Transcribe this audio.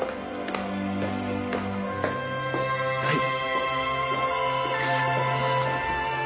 はい。